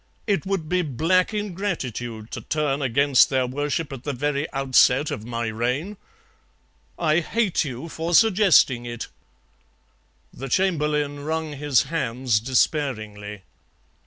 It would be black ingratitude, to turn against their worship at the very outset of my reign. I hate you for suggesting it.' "The Chamberlain wrung his hands despairingly.